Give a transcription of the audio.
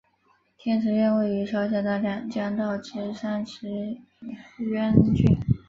天池院位于朝鲜的两江道之三池渊郡。